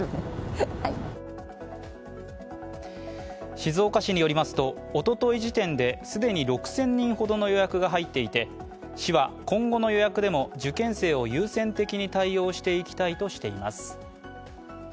静岡市によりますと、おととい時点で既に６０００人ほどの予約が入っていて市は今後の予約でも受験生を優先的に対応していきたいとしています。